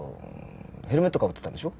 ヘルメットかぶってたんでしょ？